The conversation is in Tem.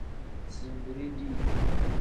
Zinbiri dii.